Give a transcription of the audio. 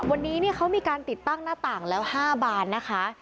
วันนี้เขามีการติดตั้งหน้าต่างแล้ว๕บานนะคะ